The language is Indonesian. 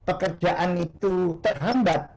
pekerjaan itu terhambat